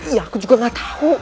ya aku juga gatau